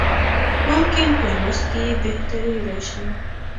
ممکن په لوست کې یې بهتري راشي.